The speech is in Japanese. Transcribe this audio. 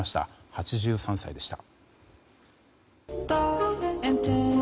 ８３歳でした。